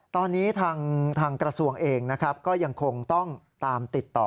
ตอนนี้ทางกระสวงเองก็ยังคงต้องตามติดต่อ